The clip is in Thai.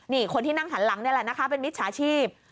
นี่คนที่นั่งหันหลังนี่แหละนะคะเป็นมิจฉาชีพ